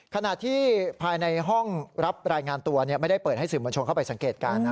ขณะที่ภายในห้องรับรายงานตัวไม่ได้เปิดให้สื่อมวลชนเข้าไปสังเกตการณ์นะ